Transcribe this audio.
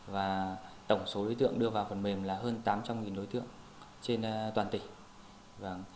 và tổng số đối tượng đưa vào phần mềm là hơn tám trăm linh đối tượng trên toàn tỉnh